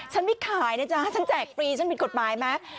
ฉันไม่ขายนะจ๊ะฉันแจกฟรีฉันผิดกฎหมายไหม